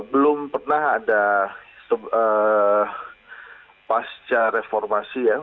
belum pernah ada pasca reformasi ya